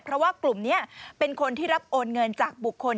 เพราะว่ากลุ่มนี้เป็นคนที่รับโอนเงินจากบุคคล